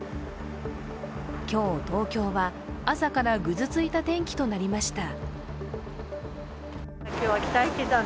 今日、東京は朝からぐずついた天気となりました。